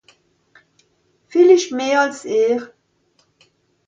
Villicht meh àls ìhr.